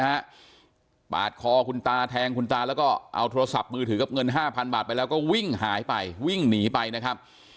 ปาดคอคุณตาแทงคุณตาแล้วก็เอาโทรศัพท์มือถือกับเงินห้าพันบาทไปแล้วก็วิ่งหายไปวิ่งหนีไปนะครับ